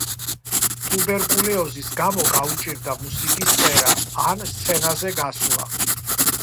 ტუბერკულიოზის გამო გაუჭირდა მუსიკის წერა ან სცენაზე გასვლა.